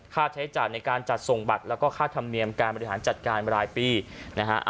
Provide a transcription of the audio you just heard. ค่าใช้จ่ายในการจัดส่งบัตรแล้วก็ค่าธรรมเนียมการบริหารจัดการรายปีนะฮะ